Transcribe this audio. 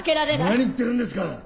何言ってるんですか！